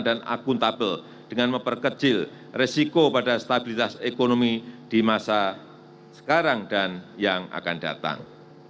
dan akuntabel dengan memperkecil risiko pada stabilitas ekonomi di masa sekarang dan yang akan datang